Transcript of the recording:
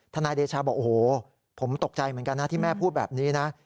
นายเดชาบอกโอ้โหผมตกใจเหมือนกันนะที่แม่พูดแบบนี้นะ